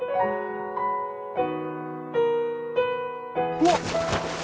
うわっ！